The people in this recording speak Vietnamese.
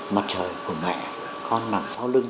mặt trời của mẹ con nằm sau lưng